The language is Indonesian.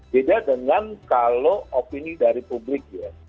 beda dengan kalau opini dari publik ya